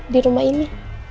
di rumah ini